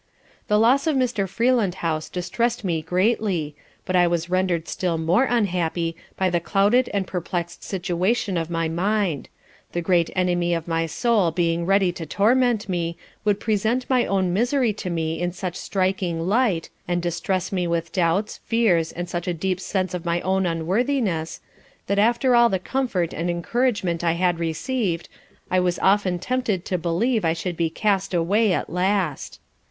The loss of Mr. Freelandhouse distress'd me greatly, but I was render'd still more unhappy by the clouded and perplex'd situation of my mind; the great enemy of my soul being ready to torment me, would present my own misery to me in such striking light, and distress me with doubts, fears, and such a deep sense of my own unworthiness, that after all the comfort and encouragement I had received, I was often tempted to believe I should be a Cast away at last.